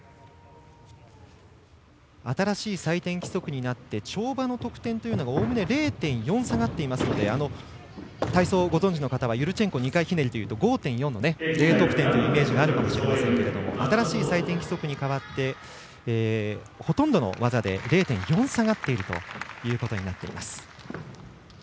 新しい採点規則になって跳馬の得点というのが、おおむね０．４下がっていますので体操をご存じの方はユルチェンコ２回ひねりというと５．４のＤ得点というイメージがあるかもしれませんが新しい採点規則に変わってほとんどの技で０．４下がっているということになっています。